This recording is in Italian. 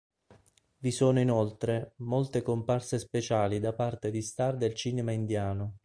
Vi sono inoltre molte comparse speciali da parte di star del cinema indiano.